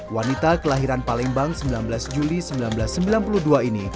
wanita kelahiran palembang sembilan belas juli seribu sembilan ratus sembilan puluh dua ini